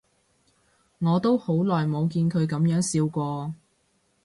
我都好耐冇見佢噉樣笑過